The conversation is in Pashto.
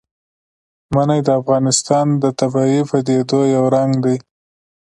منی د افغانستان د طبیعي پدیدو یو رنګ دی.